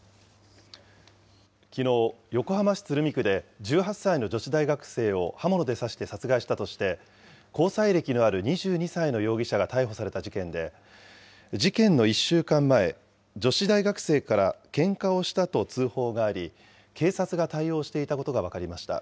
きのう、横浜市鶴見区で１８歳の女子大学生を刃物で刺して殺害したとして、交際歴のある２２歳の容疑者が逮捕された事件で、事件の１週間前、女子大学生からけんかをしたと通報があり、警察が対応していたことが分かりました。